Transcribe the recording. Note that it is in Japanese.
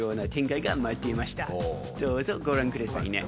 どうぞご覧くださいね。